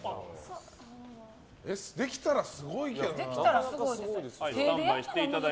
できたら、すごいけどな。